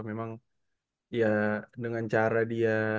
memang ya dengan cara dia